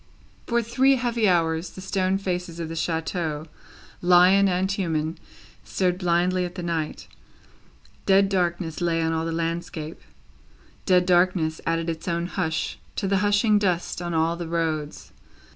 For three heavy hours, the stone faces of the chateau, lion and human, stared blindly at the night. Dead darkness lay on all the landscape, dead darkness added its own hush to the hushing dust on all the roads.